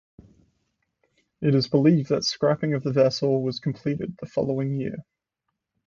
It is believed that scrapping of the vessel was completed the following year.